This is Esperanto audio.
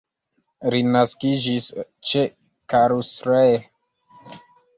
Li naskiĝis ĉe Karlsruhe.